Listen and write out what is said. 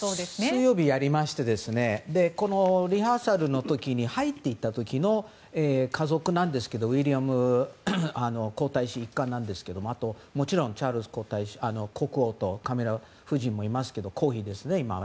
水曜日にやりましてリハーサルの時に入っていった時の家族なんですがウィリアム皇太子一家ですけどあと、もちろんチャールズ国王とカミラ夫人もいますけど皇妃ですね、今は。